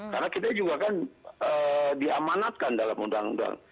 karena kita juga kan diamanatkan dalam undang undang